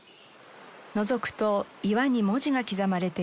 のぞくと岩に文字が刻まれています。